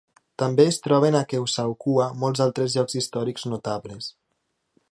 També es troben a Keosauqua molts altres llocs històrics notables.